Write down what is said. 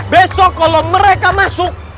besok kalau mereka masuk